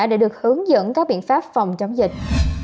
để được hướng dẫn các biện pháp phòng chống dịch